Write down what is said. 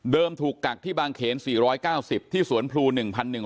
เดิมถูกกักที่บางเขน๔๙๐ที่สวนภูรณ์๑๑๒๕